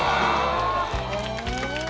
へえ。